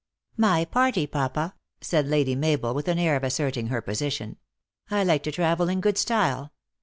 " My party, papa," said Lady Mabel, with an air of asserting her position. " 1 like to travel in good style.